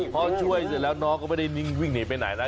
พอช่วยเสร็จแล้วน้องก็ไม่ได้วิ่งหนีไปไหนนะ